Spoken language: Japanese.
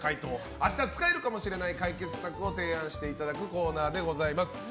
明日使えるかもしれない解決策を提案していただくコーナーでございます。